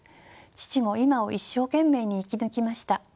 父も今を一生懸命に生き抜きました。